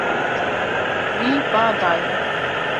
Wî ba daye.